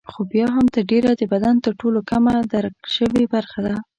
خو بیا هم تر ډېره د بدن تر ټولو کمه درک شوې برخه ده.